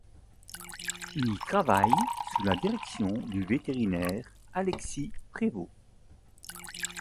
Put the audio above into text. Il y travaille sous la direction du vétérinaire Alexis Prévôt.